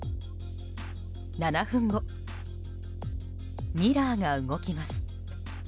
７分後、ミラーが動きます。